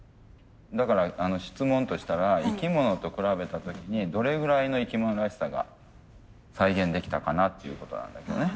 だから質問としたら生き物と比べた時にどれぐらいの生き物らしさが再現できたかなっていうことなんだけどね。